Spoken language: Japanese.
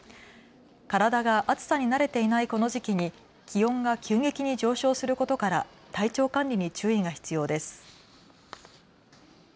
体が暑さに慣れていないこの時期に気温が急激に上昇することから体調管理に注意が必要です。